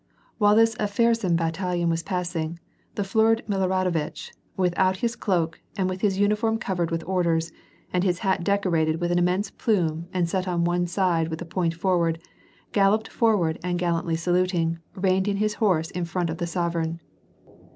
While this Apshe ron battalion was passing, the florid Miloradovitch, without his cloak and with his uniform covered with orders, and his hat decorated with an immense plume and set on one side with the point forward, galloped forward and gallantly saluting, reined in his horse in front of the sovereign.